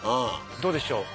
どうでしょう？